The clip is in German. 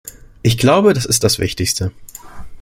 Ich glaube, das ist das Wichtigste.